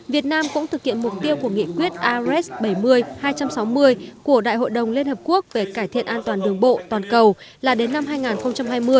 việt nam cũng thực hiện mục tiêu của nghị quyết ares bảy mươi hai trăm sáu mươi của đại hội đồng liên hợp quốc về cải thiện an toàn đường bộ toàn cầu là đến năm hai nghìn hai mươi